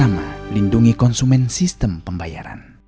mari lindungi konsumen indonesia